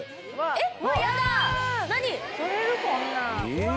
えっ？